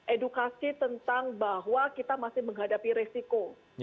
edukasi tentang bahwa kita masih menghadapi resiko